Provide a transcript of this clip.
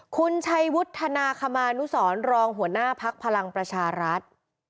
คุณชัยวุฒนาคมานุสรรองหัวหน้าพักพลังประชารัฐ